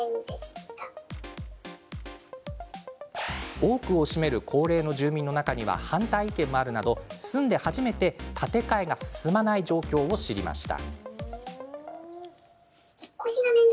多くを占める高齢の住民の中には反対意見もあるなど住んで初めて建て替えが進まない状況を知りました。